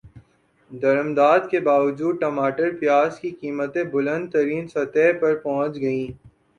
درمدات کے باوجود ٹماٹر پیاز کی قیمتیں بلند ترین سطح پر پہنچ گئیں